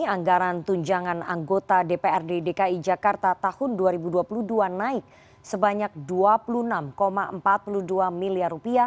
anggaran tunjangan anggota dprd dki jakarta tahun dua ribu dua puluh dua naik sebanyak rp dua puluh enam empat puluh dua miliar